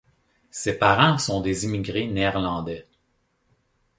Ses parents sont des immigrés néerlandais.